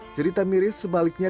cerita miris sebaliknya